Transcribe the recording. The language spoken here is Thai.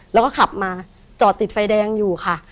แล้วก็ขับมาจอดติดไฟแดงอยู่ค่ะ